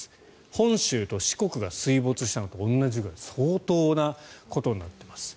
本州と四国が水没したのと同じくらい相当なことになっています。